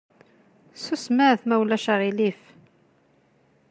Susmet ma ulac aɣilif!